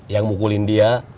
yang mukulin dia